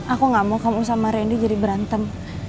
aku gak mau kamu sama randy jadi berantem